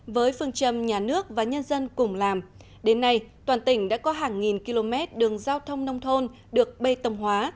với phương châm nhà nước và nhân dân cùng làm đến nay toàn tỉnh đã có hàng nghìn km đường giao thông nông thôn được bê tông hóa